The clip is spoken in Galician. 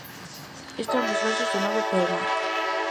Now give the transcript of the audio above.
Este é un dos versos do novo poemario.